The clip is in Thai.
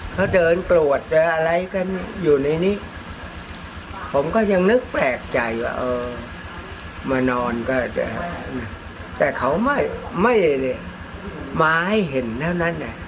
เขาเดินกลวดอะไรก็อยู่ในนี้ผมก็ยังนึกแปลกใจว่าเออมานอนก็แหละแต่เขาไม่ไม่เลยมาให้เห็นนั่นน่ะ